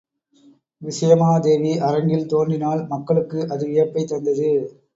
விசயமாதேவி அரங்கில் தோன்றினாள் மக்களுக்கு அது வியப்பைத் தந்தது.